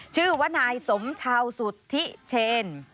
ชื่อว่านายสมชาวสุทธิเชน